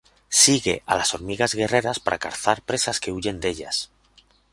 Sigue a las hormigas guerreras para cazar presas que huyen de ellas.